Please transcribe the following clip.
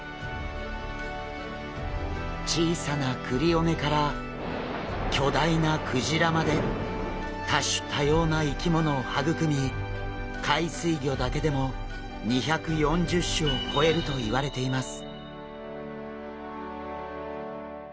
小さなクリオネから巨大なクジラまで多種多様な生き物を育み海水魚だけでも２４０種を超えるといわれています。